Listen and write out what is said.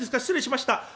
失礼しました。